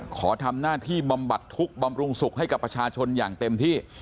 ขอทำหน้าที่บำบัดทุกข์บำรุงสุขให้กับประชาชนอย่างเต็มที่